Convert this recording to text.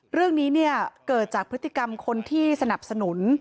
เรื่องนี้เกิดจากพฤติกรรมคนที่สนับสนุน